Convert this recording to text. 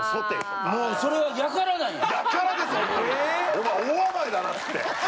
お前大暴れだなつって。